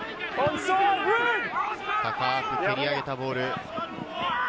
高く蹴り上げたボール。